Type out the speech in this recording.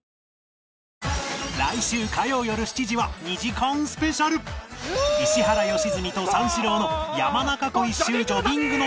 来週火曜よる７時は２時間スペシャル石原良純と三四郎の山中湖一周ジョギングの旅